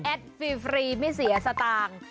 ฟรีไม่เสียสตางค์